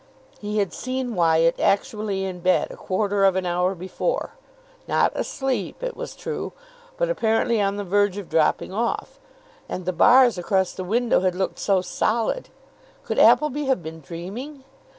He had seen Wyatt actually in bed a quarter of an hour before not asleep, it was true, but apparently on the verge of dropping off. And the bars across the window had looked so solid.... Could Appleby have been dreaming?